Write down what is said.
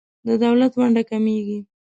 د دولت ونډه کمیږي.